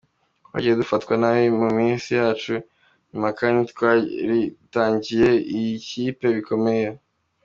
Twagiye dufatwa nabi mu minsi yacu ya nyuma kandi twaritangiye iyi kipe bikomeye.